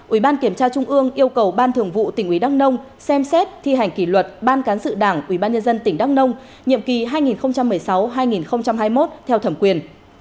ủy ban kiểm tra trung ương yêu cầu ban thường vụ tỉnh ủy đắk nông xem xét thi hành kỷ luật ban cán sự đảng ủy ban nhân dân tỉnh đắk nông nhiệm kỳ hai nghìn một mươi sáu hai nghìn hai mươi một theo thẩm quyền